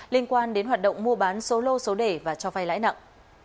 liên quan đến hoạt động mua bán số lô số đề và cho vay lãi nặng